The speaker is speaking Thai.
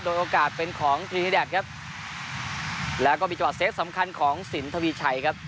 โดยโอกาสเป็นของทีแดดครับแล้วก็มีจังหวะเซฟสำคัญของสินทวีชัยครับ